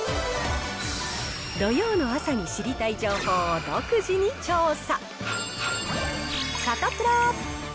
土曜の朝に知りたい情報を独自に調査。